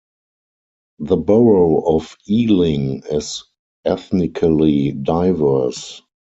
The borough of Ealing is ethnically diverse.